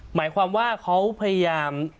หมายความว่าเขาพยายาม